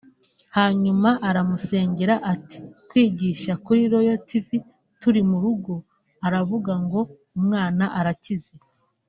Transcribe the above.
hanyuma aramusengera ari kwigisha kuri Royal Tv turi mu rugo aravuga ngo umwana arakize